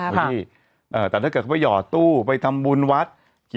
ที่แต่ถ้าเกิดเขาไปห่อตู้ไปทำบุญวัด